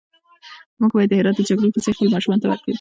موږ بايد د هرات د جګړو کيسې خپلو ماشومانو ته وکړو.